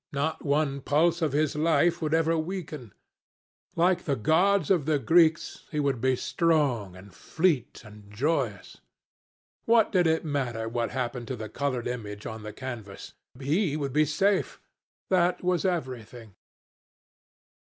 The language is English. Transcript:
Not one pulse of his life would ever weaken. Like the gods of the Greeks, he would be strong, and fleet, and joyous. What did it matter what happened to the coloured image on the canvas? He would be safe. That was everything.